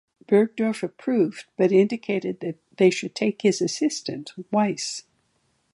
Burgdorf approved but indicated that they should take his assistant, Weiss.